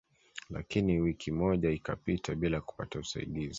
Lakini wiki moja ikapita bila kupata usaidizi